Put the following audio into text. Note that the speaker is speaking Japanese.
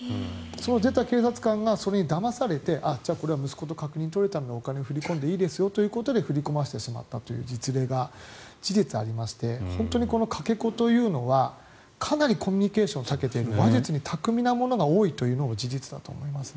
出た警察官がそれにだまされてこれは息子と確認取れたのでお金を振り込んでいいですよということで振り込ませてしまったという実例が、事実、ありまして本当にかけ子というのはかなりコミュニケーションに長けている話術に巧みな者が多いというのも事実だと思いますね。